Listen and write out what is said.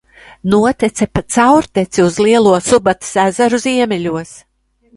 Notece pa caurteci uz Lielo Subates ezeru ziemeļos.